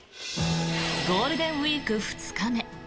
ゴールデンウィーク２日目。